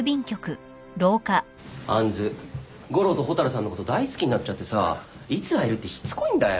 杏悟郎と蛍さんのこと大好きになっちゃってさいつ会える？ってしつこいんだよ。